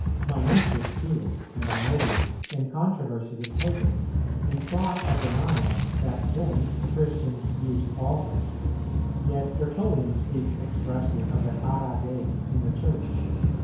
Minucius Felix and Arnobius, in controversy with Pagans, imply a denial that then the Christians used altars; yet Tertullian speaks expressly of the Ara Dei in the Church.